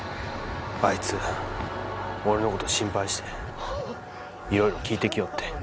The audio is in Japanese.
あいつ俺の事心配していろいろ聞いてきよって。